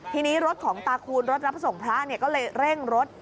ทีนี้รถของตาคูณรถรับส่งพระก็เลยเร่งรถ